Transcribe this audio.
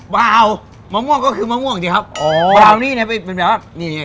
เปล่ามะม่วงก็คือมะม่วงจริงครับอ๋อบราวนี่เนี้ยเป็นแบบนี่ไง